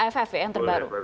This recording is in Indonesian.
ffv yang terbaru